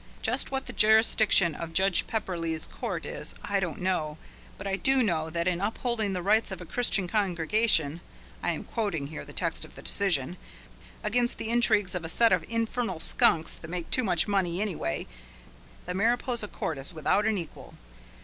Just what the jurisdiction of Judge Pepperleigh's court is I don't know, but I do know that in upholding the rights of a Christian congregation I am quoting here the text of the decision against the intrigues of a set of infernal skunks that make too much money, anyway, the Mariposa court is without an equal.